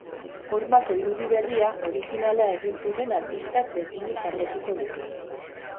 Hormako irudi berria orijinala egin zuten artistak berdinek margotuko dute.